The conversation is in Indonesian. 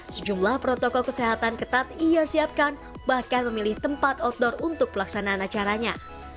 sejumlah protokol kesehatan ketat ia siapkan bahkan memilih tempat outdoor untuk pelaksanaan acaranya